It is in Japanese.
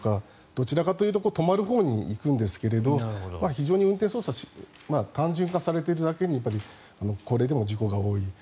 どちらかというと止まるほうに行くんですが非常に運転操作が単純化されているだけに高齢での事故が多い。